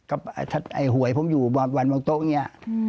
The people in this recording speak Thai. ไอ้หวยผมอยู่วันบนโต๊ะอย่างนี้